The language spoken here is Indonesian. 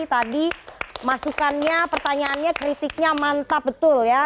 tadi masukannya pertanyaannya kritiknya mantap betul ya